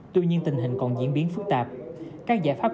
tuy nhiên tình hình còn diễn biến phức tạp